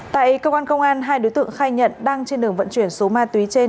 tại công an công an hai đối tượng khai nhận đang trên đường vận chuyển số ma túy trên